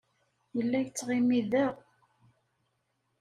Yella yettɣimi da.